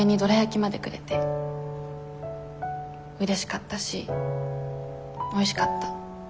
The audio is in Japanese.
うれしかったしおいしかった。